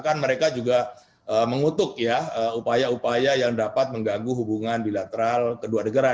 kan mereka juga mengutuk ya upaya upaya yang dapat mengganggu hubungan bilateral kedua negara